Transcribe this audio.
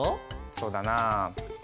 そうだな。